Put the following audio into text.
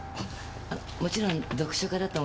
あもちろん読書家だと思います。